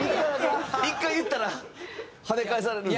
１回言ったらはね返されるんですか？